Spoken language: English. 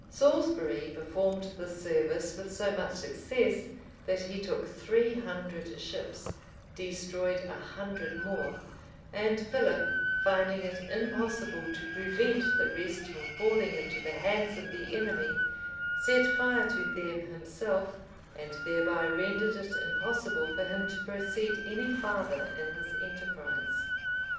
Salisbury performed this service with so much success that he took three hundred ships; destroyed a hundred more;[*] and Philip, finding it impossible to prevent the rest from falling into the hands of the enemy, set fire to them himself, and thereby rendered it impossible for him to proceed any farther in his enterprise.